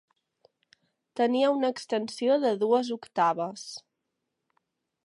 Tenia una extensió de dues octaves.